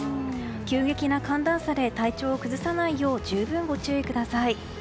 急激な寒暖差で体調を崩さないよう十分ご注意ください。